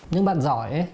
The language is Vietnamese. những bạn giỏi ấy